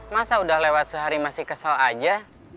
masa udah lewat sehari masih kesel aja